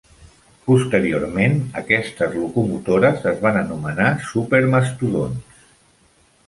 Posteriorment, aquestes locomotores es van anomenar "supermastodonts".